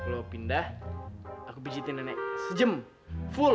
kalau pindah aku pijetin nenek sejam full